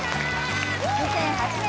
２００８年